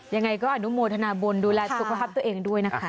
ยังไงก็อนุโมทนาบุญดูแลสุขภาพตัวเองด้วยนะคะ